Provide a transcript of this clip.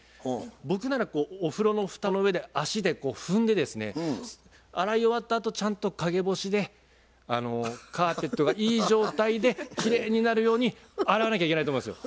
僕ならお風呂の蓋の上で足でこう踏んでですね洗い終わったあとちゃんと陰干しでカーペットがいい状態できれいになるように洗わなきゃいけないと思いますよ。